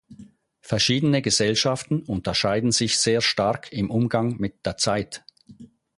Verschiedene Gesellschaften unterscheiden sich sehr stark im Umgang mit der Zeit.